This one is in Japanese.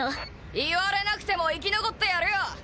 言われなくても生き残ってやるよ。